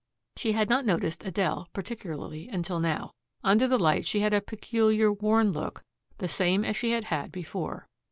She had not noticed Adele particularly until now. Under the light she had a peculiar worn look, the same as she had had before.